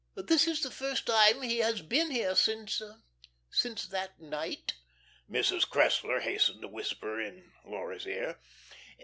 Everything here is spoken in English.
"This is the first time he has been here since since that night," Mrs. Cressler hastened to whisper in Laura's ear.